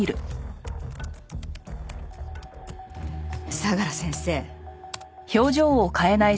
相良先生。